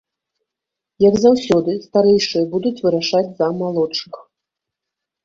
Як заўсёды, старэйшыя будуць вырашаць за малодшых.